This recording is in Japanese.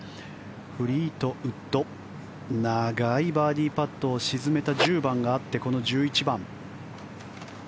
フリートウッド長いバーディーパットを沈めた１０番があってこの１１番。